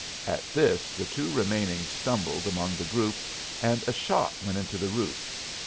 At this the two remaining stumbled among the group, and a shot went into the roof.